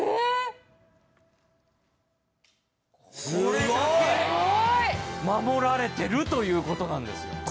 これだけ守られてるということなんですよ。